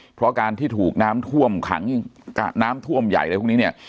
เพราะการที่ถูกน้ำท่วมขังน้ำท่วมใหญ่อะไรพวกนี้เนี่ย